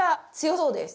そうですね。